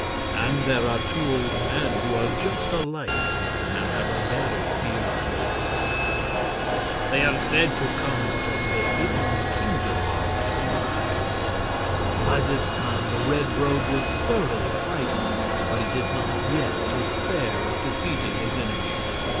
And there are two old men who are just alike and have a very fierce look about them. They are said to come from the hidden Kingdom of Twi." By this time the Red Rogue was thoroughly frightened, but he did not yet despair of defeating his enemies.